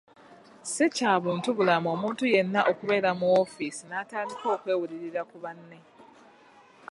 Si kya buntubulamu omuntu yenna okubeera mu woofiisi n’atandika okwewulirira ku banne.